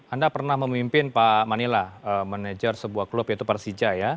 anda pernah memimpin pak manila manajer sebuah klub yaitu persija ya